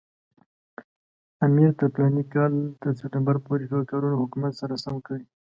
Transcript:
امیر تر فلاني کال تر سپټمبر پورې ټول کارونه د حکومت سره سم کړي.